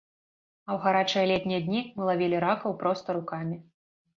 А ў гарачыя летнія дні мы лавілі ракаў проста рукамі.